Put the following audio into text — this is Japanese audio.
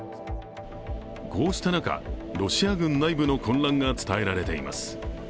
こうした中、ロシア軍内部の混乱が伝えられています。